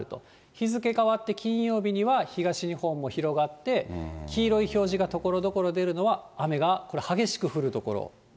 日付変わって金曜日には、東日本も広がって、黄色い表示がところどころ出るのは、雨が激しく降る所。